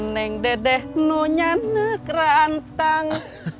neng dedeh no nyane kerantang